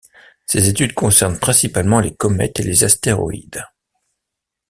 Ses études concernent principalement les comètes et les astéroïdes.